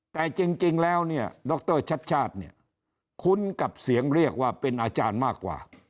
แต่จริงแล้วดรชัดคุ้นกับเสียงเรียกว่าเป็นอาจารย์มากกว่า